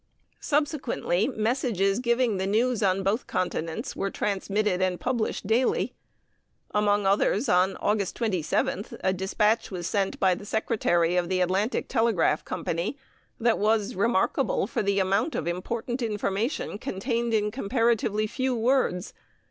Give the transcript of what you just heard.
Subsequently messages giving the news on both continents were transmitted and published daily. Among others, on August 27th, a despatch was sent by the secretary of the Atlantic Telegraph Company that was remarkable for the amount of important information contained in comparatively few words.